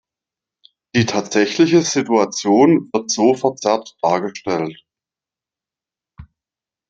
Die tatsächliche Situation wird so verzerrt dargestellt.